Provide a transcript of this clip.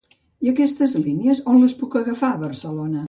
I aquestes línies on les puc agafar a Barcelona?